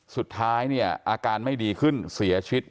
สุดท้ายเนี่ยอาการไม่ดีขึ้นเสียชีวิต